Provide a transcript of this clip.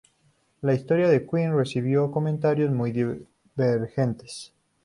La historia de Quinn recibió comentarios muy divergentes.